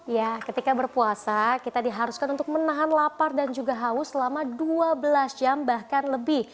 ya ketika berpuasa kita diharuskan untuk menahan lapar dan juga haus selama dua belas jam bahkan lebih